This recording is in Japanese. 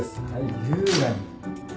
優雅に。